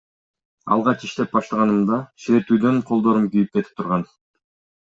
Алгач иштеп баштаганымда ширетүүдөн колдорум күйүп кетип турган.